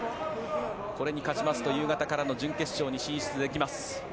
これに勝ちますと夕方からの準決勝に進出できます。